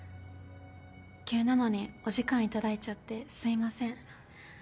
急なのにお時間頂いちゃってすみません。